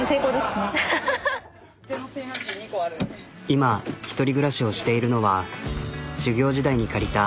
今１人暮らしをしているのは修業時代に借りた１ＬＤＫ。